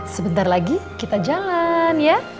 sebentar lagi kita jalan ya